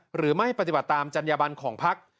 หรือไม่ปฏิบัติตามจัญญบันของพัก